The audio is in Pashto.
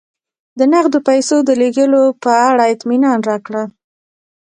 د نغدو پیسو د لېږلو په اړه اطمینان راکړه.